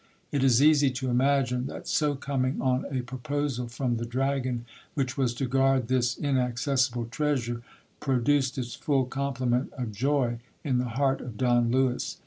It is easy to imagine that so coming on a proposal from the dragon which was to guard this inaccessible treasure, produced its full com plement of joy in the heart of Don Lewis.